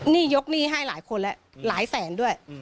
นี่ยกหนี้ให้หลายคนแล้วหลายแสนด้วย